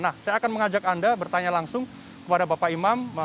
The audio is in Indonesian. nah saya akan mengajak anda bertanya langsung kepada bapak imam